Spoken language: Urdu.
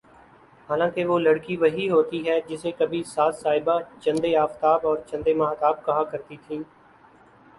حالانکہ وہ لڑکی وہی ہوتی ہے جسے کبھی ساس صاحبہ چندے آفتاب اور چندے ماہتاب کہا کرتی تھیں